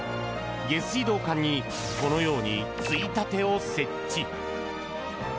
下水道管にこのように衝立を設置。